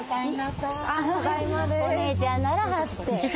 お姉ちゃんならはって。